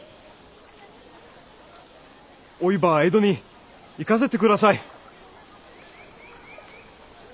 おいば江戸に行かせて下さい！